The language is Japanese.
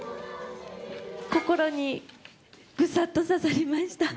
心にぐさっと刺さりました。